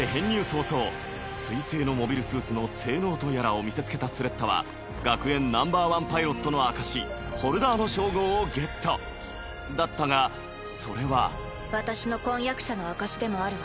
早々水星のモビルスーツの性能とやらを見せつけたスレッタは学園ナンバー１パイロットの証しホルダーの称号をゲットだったがそれは私の婚約者の証しでもあるわ。